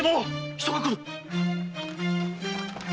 人が来る！